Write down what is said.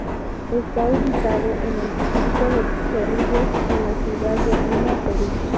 Está ubicado en el distrito de Chorrillos en la ciudad de Lima, Perú.